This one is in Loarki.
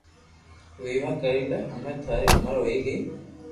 تو ويوا ڪري لي ھمي ٿاري عمر ھوئئي گئي